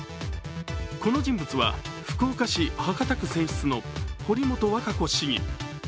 この人物は、福岡市博多区選出の堀本和歌子市議。